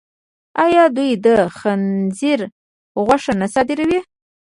آیا دوی د خنزیر غوښه نه صادروي؟